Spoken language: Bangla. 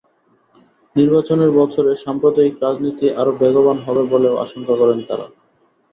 নির্বাচনের বছরে সাম্প্রদায়িক রাজনীতি আরও বেগবান হবে বলেও আশঙ্কা করেন তাঁরা।